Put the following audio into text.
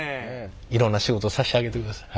いろんな仕事さしてあげてください。